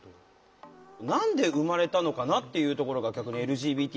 何で生まれたのかなっていうところが逆にＬＧＢＴって言葉が。